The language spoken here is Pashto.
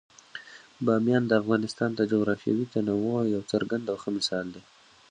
بامیان د افغانستان د جغرافیوي تنوع یو څرګند او ښه مثال دی.